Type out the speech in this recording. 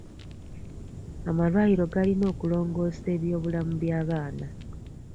Amalwaliro galina okulongoosa eby'obulamu by'abaana.